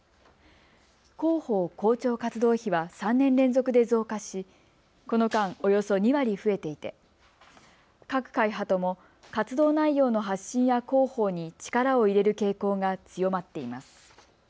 広報・広聴活動費は３年連続で増加しこの間、およそ２割増えていて各会派とも活動内容の発信や広報に力を入れる傾向が強まっています。